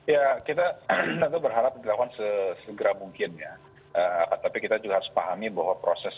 ya kita tentu berharap dilakukan sesegera mungkin ya tapi kita juga harus pahami bahwa proses